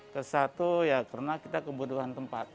kedua karena kita kebutuhan tempat